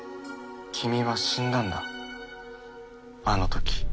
君は死んだんだあの時。